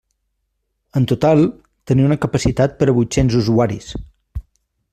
En total, tenia una capacitat per a vuit-cents usuaris.